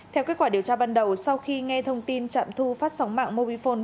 theo kết quả điều tra ban đầu sau khi nghe thông tin trạm thu phát sóng mạng mobifone